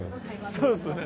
そうっすね